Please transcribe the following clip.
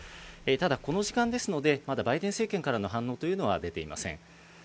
ただ、この時間ですので、まだバイデン政権からの反応というのは出ていません。